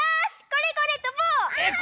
これこれ！とぼう！